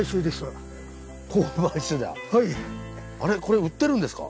これ売ってるんですか？